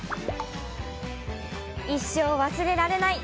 一生忘れられない！